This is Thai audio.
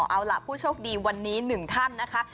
เอาล่ะผู้โชคดีวันนี้หนึ่งท่านนะคะ